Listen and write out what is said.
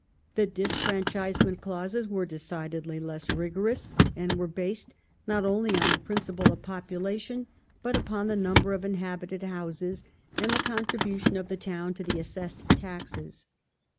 The disfranchisement clauses were decidedly less rigorous, and were based not only on the principle of popula tion, but upon the number of inhabited houses, and the contribution of the town to the assessed taxes.